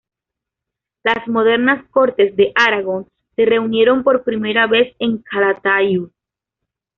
Las modernas Cortes de Aragón se reunieron por primera vez en Calatayud.